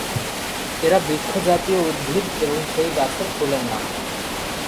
এরা বৃক্ষ জাতীয় উদ্ভিদ এবং সেই গাছের ফুলের নাম।